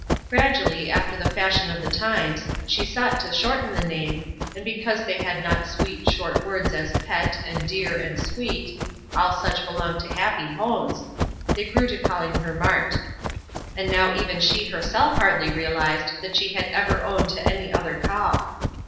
Gradually, after the fashion of the times, she sought to shorten the name; and because they had not sweet, short words, as "Pet," and "Dear" and "Sweet," all such belong to happy homes, they grew to calling her Mart. And now even she herself hardly realized that she had ever owned to any other call.